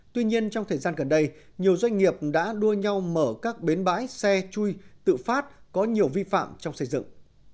tuy nhiên trong thời gian gần đây nhiều doanh nghiệp đã đua nhau mở các bến bãi xe chui tự phát có nhiều vi phạm trong xây dựng